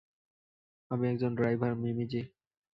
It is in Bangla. আমি একজন ড্রাইভার, মিমি জি!